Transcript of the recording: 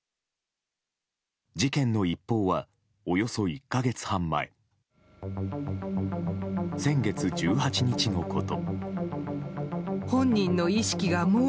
事件の一報は、およそ１か月半前先月１８日のこと。